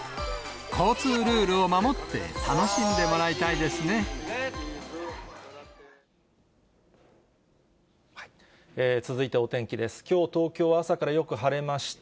交通ルールを守って楽しんでもらいたいですね。